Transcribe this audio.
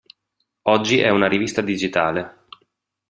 Oggi è una rivista digitale.